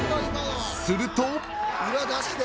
［すると］